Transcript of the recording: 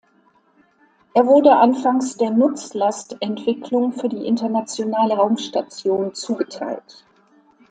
Er wurde anfangs der Nutzlast-Entwicklung für die Internationale Raumstation zugeteilt.